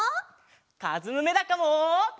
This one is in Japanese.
かずむめだかも。